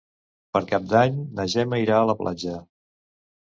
Per Cap d'Any na Gemma irà a la platja.